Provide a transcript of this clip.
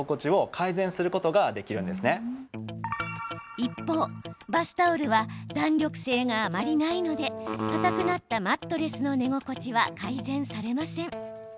一方、バスタオルは弾力性があまりないのでかたくなったマットレスの寝心地は改善されません。